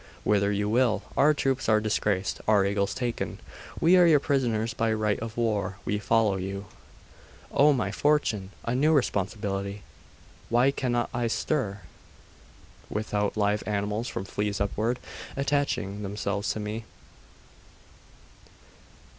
'Whither you will. Our troops are disgraced, our eagles taken. We are your prisoners by right of war. We follow you.' 'Oh, my fortune! A new responsibility! Why cannot I stir, without live animals, from fleas upward, attaching themselves to me?